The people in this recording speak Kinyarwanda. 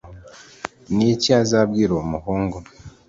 ni iki azabwira uwo muhungu